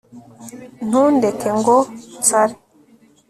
Ntundeke Ngo nsare